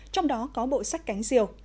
trong đó có bộ sách cánh diều